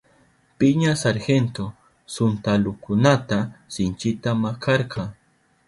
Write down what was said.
Piña sargento suntalukunata sinchita makarka.